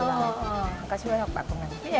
น้องชายก็ช่วยออกแบบผมอย่างนี้